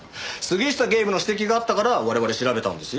杉下警部の指摘があったから我々調べたんですよ。